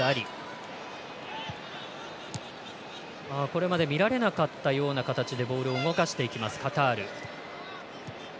これまで見られなかったような形でボールを動かしていきますカタール。